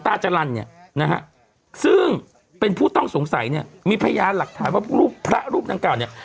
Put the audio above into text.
มาฮะซึ่งเป็นผู้ต้องสงสัยเนี่ยมีพญาณหลักฐานว่าพระรูปดังเก่าเนี้ย